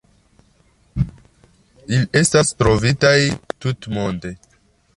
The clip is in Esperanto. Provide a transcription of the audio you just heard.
Ili estas trovitaj tutmonde.